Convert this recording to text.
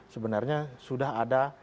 sebenarnya sudah ada